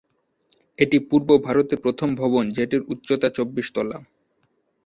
এটি পূর্ব ভারতের প্রথম ভবন যেটির উচ্চতা চব্বিশ তলা।